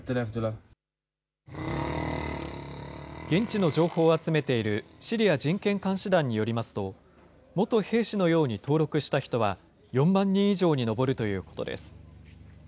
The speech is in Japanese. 現地の情報を集めているシリア人権監視団によりますと、元兵士のように登録した人は、４万人以上に上るということです。